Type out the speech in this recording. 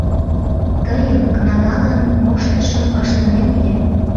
— Тыйым кнагалан моштышым ыштынем ыле.